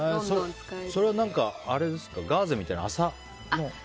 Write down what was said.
それは、ガーゼみたいな麻の？